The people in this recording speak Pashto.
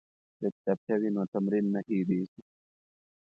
که کتابچه وي نو تمرین نه هیریږي.